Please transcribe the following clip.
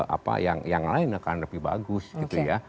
apa yang lain akan lebih bagus gitu ya